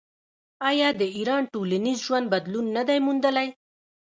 آیا د ایران ټولنیز ژوند بدلون نه دی موندلی؟